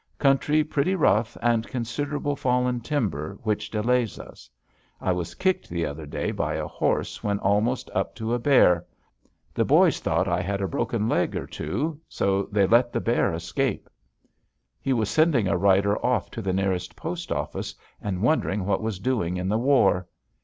Country pretty rough and considerable fallen timber, which delays us. I was kicked the other day by a horse when almost up to a bear. The boys thought I had a broken leg or two, so they let the bear escape." He was sending a rider off to the nearest post office and wondering what was doing in the war.